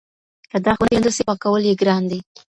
که داغ ونه پېژندل سي پاکول یې ګران دي.